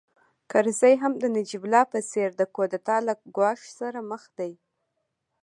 کرزی هم د نجیب الله په څېر د کودتا له ګواښ سره مخ دی